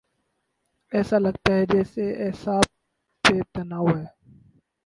ایسا لگتاہے جیسے اعصاب پہ تناؤ ہے۔